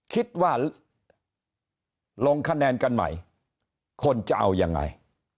คิดว่าลงคะแนนกันใหม่คนจะเอายังไง